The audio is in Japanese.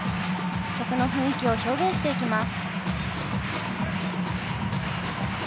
曲の雰囲気を表現していきます。